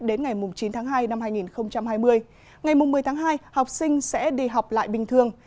đến ngày chín tháng hai năm hai nghìn hai mươi ngày một mươi tháng hai học sinh sẽ đi học lại bình thường